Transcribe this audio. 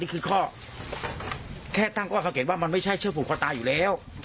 ข้อแค่ตั้งข้อสังเกตว่ามันไม่ใช่เชื่อผูกคอตายอยู่แล้ว